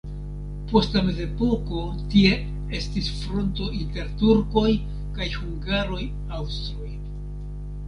Post la mezepoko tie estis fronto inter turkoj kaj hungaroj-aŭstroj.